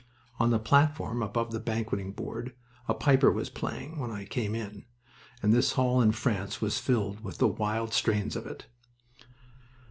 On the platform above the banqueting board a piper was playing, when I came in, and this hall in France was filled with the wild strains of it.